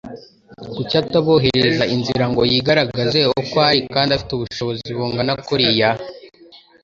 Kuki ataborohereza inzira ngo yigaragaze uko ari kandi afite ubushobozi bungana kuriya?